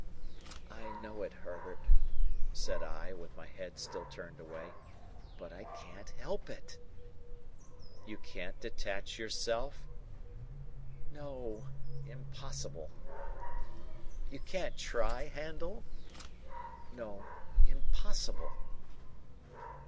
"I know it, Herbert," said I, with my head still turned away, "but I can't help it." "You can't detach yourself?" "No. Impossible!" "You can't try, Handel?" "No. Impossible!"